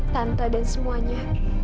tante dan semuanya